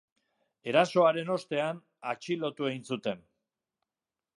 Erasoaren ostean, atxilotu egin zuten.